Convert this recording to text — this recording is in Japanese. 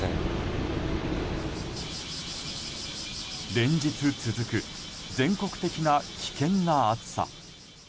連日続く全国的な危険な暑さ。